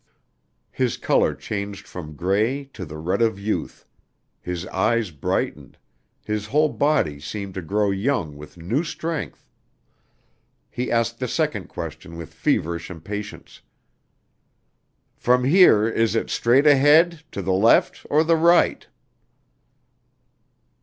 His color changed from gray to the red of youth; his eyes brightened, his whole body seemed to grow young with new strength. He asked the second question with feverish impatience, "From here is it straight ahead, to the left, or the right?"